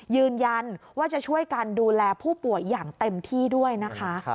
ยืนยันว่าจะช่วยกันดูแลผู้ป่วยอย่างเต็มที่ด้วยนะคะ